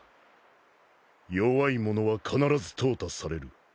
弱いものは必ず淘汰される。